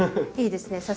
いいですね